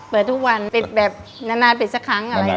เปิดทุกวันปิดแบบนานปิดสักครั้งอะไรอย่างนี้